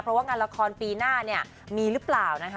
เพราะว่างานละครปีหน้าเนี่ยมีหรือเปล่านะคะ